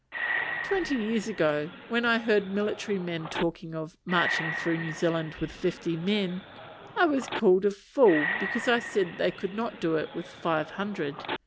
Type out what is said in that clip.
Twenty years ago, when I heard military men talking of "marching through New Zealand with fifty men," I was called a fool because I said they could not do it with five hundred.